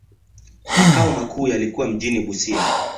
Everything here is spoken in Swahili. Makao makuu yalikuwa mjini Busia.